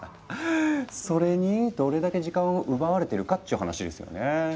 それにどれだけ時間を奪われてるかっちゅう話ですよね。